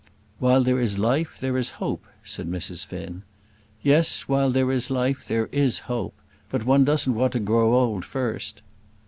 "While there is life there is hope," said Mrs. Finn. "Yes; while there is life there is hope. But one doesn't want to grow old first."